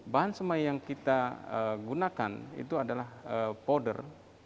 bahan semai yang kita gunakan itu adalah powder